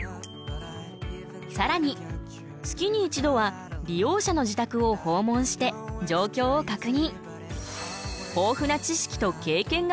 さらに月に１度は利用者の自宅を訪問して状況を確認。